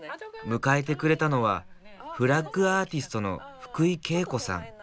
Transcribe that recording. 迎えてくれたのはフラッグアーティストの福井恵子さん。